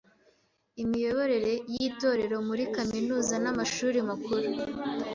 Imiyoborere y’Itorero muri kaminuza n’amashuri makuru